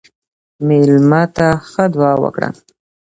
مېلمه ته ښه دعا وکړه.